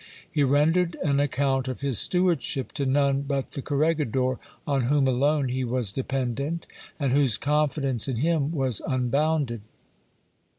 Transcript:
He rendered an account of his stewardship to none but the corre gidor, on whom alone he was dependent, and whose confidence in him was un bounded.